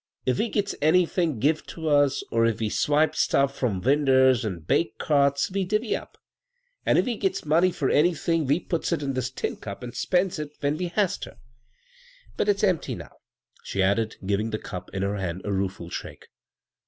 If we gits anythin' give to us, or if we swipes stuff from winders an' bake carts we diwy up ; an' if we gits money fur an)^in' we puts it in dis tin cup, an' spends it when we has tar. But it's empty now," she added, giving the cup in her hand a rueful shake.